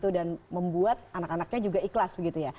dan membuat anak anaknya juga ikhlas begitu ya